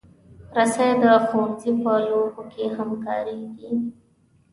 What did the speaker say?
رسۍ د ښوونځي په لوبو کې هم کارېږي.